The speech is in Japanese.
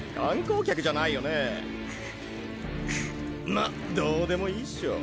まどうでもいいっショ。